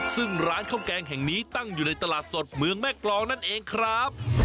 ซึ่งร้านข้าวแกงแห่งนี้ตั้งอยู่ในตลาดสดเมืองแม่กรองนั่นเองครับ